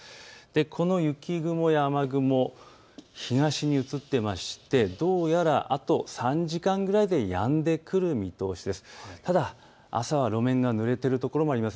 この雪雲や雨雲、東に移っていましてどうやらあと３時間ぐらいでやんでくる見通しです。